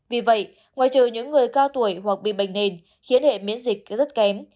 vì vậy ngoài trừ những người cao tuổi hoặc bị bệnh nền khiến hệ miễn dịch rất kém